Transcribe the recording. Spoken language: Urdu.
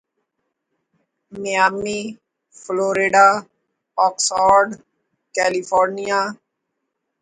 Miami Florida Oxnard California